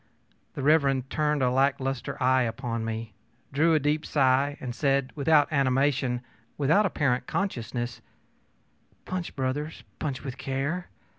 ö The Rev. Mr. turned a lack lustre eye upon me, drew a deep sigh, and said, without animation, without apparent consciousness: ōPunch, brothers, punch with care!